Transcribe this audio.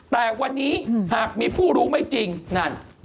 แต่วันนี้หากมีผู้รู้ไม่จริงนั่น